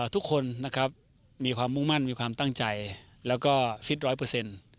ทุกคนนะครับมีความมุ่งมั่นมีความตั้งใจแล้วก็ฟิตร้อยเปอร์เซ็นต์